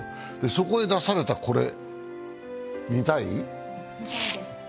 そこへ出されたこれ、見たい？